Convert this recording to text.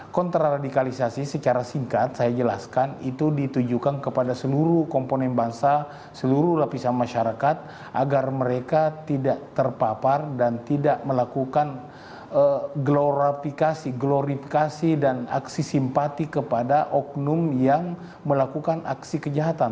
kontraradikalisasi secara singkat saya jelaskan itu ditujukan kepada seluruh komponen bangsa seluruh lapisan masyarakat agar mereka tidak terpapar dan tidak melakukan glorifikasi dan aksi simpati kepada oknum yang melakukan aksi kejahatan